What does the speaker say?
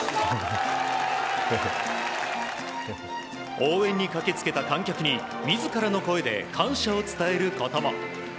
応援に駆け付けた観客に自らの声で感謝を伝えることも。